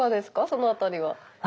その辺りは。